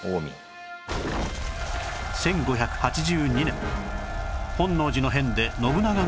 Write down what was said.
１５８２年本能寺の変で信長が討たれ